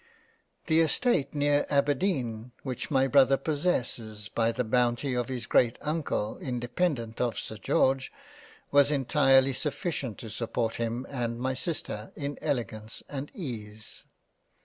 The Estate near Aberdeen which my brother possesses by the bounty of his great Uncle in dependant of Sir George, was entirely sufficient to support him and my Sister in Elegance and Ease.